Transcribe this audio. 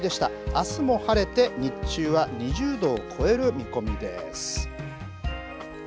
あすも晴れて、日中は２０度を超える見込みです。